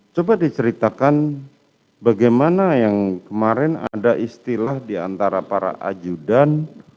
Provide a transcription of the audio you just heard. coba diceritakan bagaimana yang kemarin ada istilah diantara para ajudan